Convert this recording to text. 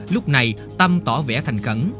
lúc này tâm tỏ vẻ thành khẩn